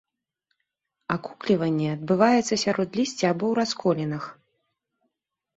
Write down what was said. Акукліванне адбываецца сярод лісця або ў расколінах.